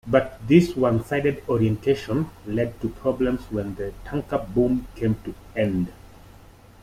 But this one-sided orientation led to problems when the tanker-boom came to end.